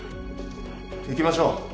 行きましょう。